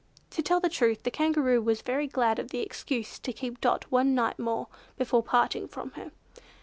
To tell the truth, the Kangaroo was very glad of the excuse to keep Dot one night more before parting from her.